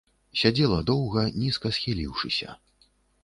Сядзела доўга, нізка схіліўшыся.